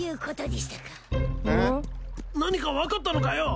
何か分かったのかよ？